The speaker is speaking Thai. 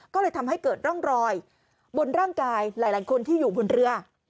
ก็เลยทำให้เกิดร่องรอยบนร่างกายหลายคนที่อยู่บนเรือ